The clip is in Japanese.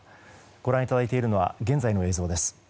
ご覧いただいているのは現在の映像です。